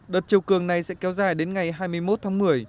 đợt chiều cường này sẽ kéo dài đến ngày hai mươi một tháng một mươi